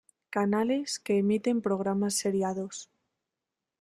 Canales que emiten programas seriados.